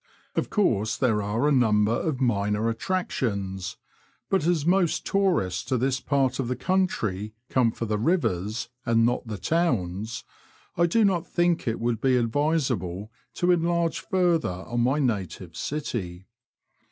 Of course there are a number of minor attractions, but as most tourists to this part of the country come for the rivers and not the towns, I do not think it would be advisable to enlarge further on my native city.